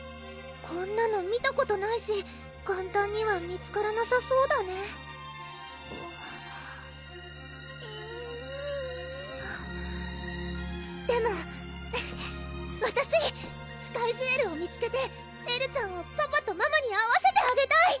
こんなの見たことないし簡単には見つからなさそうだねえるぅでもわたしスカイジュエルを見つけてエルちゃんをパパとママに会わせてあげたい！